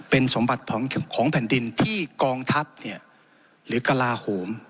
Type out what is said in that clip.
เป็นสมบัติของของแผ่นดินที่กองทัพเนี้ยหรือกราโหม